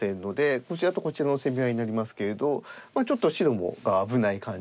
こちらとこちらの攻め合いになりますけれどちょっと白が危ない感じですね。